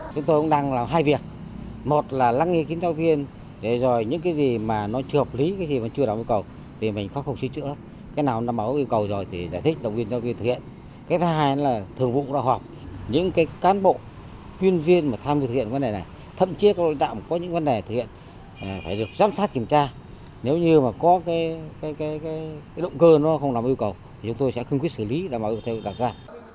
quyên viên mà tham gia sự kiện vấn đề này thậm chí các đoàn công tác có những vấn đề thực hiện phải được giám sát kiểm tra nếu như có động cơ nó không nằm yêu cầu chúng tôi sẽ không quyết xử lý để đảm bảo yêu cầu đặt ra